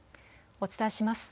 お伝えします。